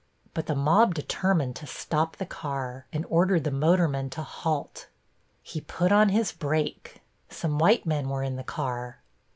But the mob determined to stop the car, and ordered the motorman to halt. He put on his brake. Some white men were in the car.